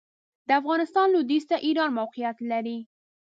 د افغانستان لوېدیځ ته ایران موقعیت لري.